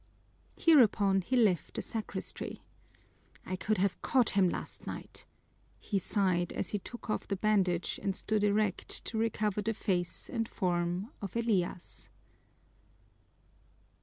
Hereupon he left the sacristy. "I could have caught him last night!" he sighed, as he took off the bandage and stood erect to recover the face and form of Elias.